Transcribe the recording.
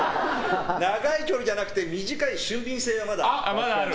長い距離じゃなくて短い俊敏性はまだ。